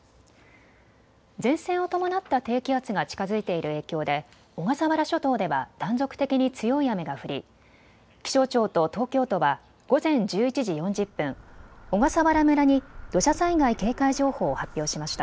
前線を伴った低気圧が近づいている影響で小笠原諸島では断続的に強い雨が降り、気象庁と東京都は午前１１時４０分、小笠原村に土砂災害警戒情報を発表しました。